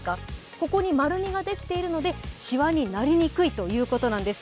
ここに丸みができているのでしわになりにくいということです。